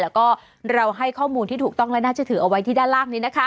แล้วก็เราให้ข้อมูลที่ถูกต้องและน่าจะถือเอาไว้ที่ด้านล่างนี้นะคะ